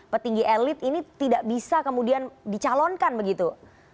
petinggi elit ini tidak bisa kemudian dicalonkan begitu